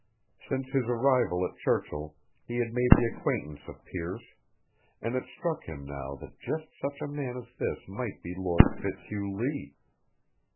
Since his arrival at Churchill he had made the acquaintance of Pearce, and it struck him now that just such a man as this might be Lord Fitzhugh Lee.